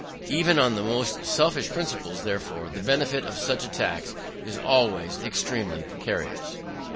Even on the most selfish principles, therefore, the benefit of such a tax is always extremely precarious.